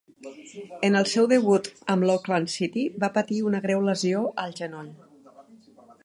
En el seu debut amb l'Auckland City va patir una greu lesió al genoll.